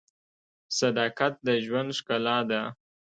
• صداقت د ژوند ښکلا ده.